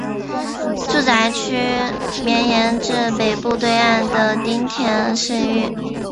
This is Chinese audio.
住宅区绵延至北部对岸的町田市域。